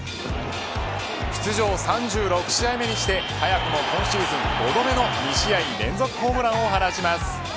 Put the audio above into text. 出場３６試合目にして早くも今シーズン５度目の２試合連続ホームランを放ちます。